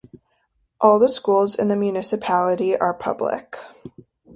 All the schools in the municipality are public.